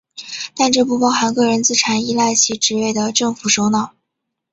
但这不包含个人资产依赖其职位的政府首脑。